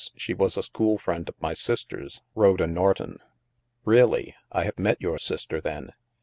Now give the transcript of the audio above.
She was a school friend of my sister's, Rhoda Norton." "Really? I have met your sister then."